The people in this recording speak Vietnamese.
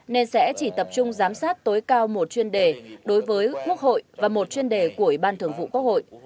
nên sẽ chỉ tập trung giám sát tối cao một chuyên đề đối với quốc hội và một chuyên đề của ủy ban thường vụ quốc hội